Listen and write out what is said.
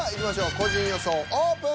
個人予想オープン！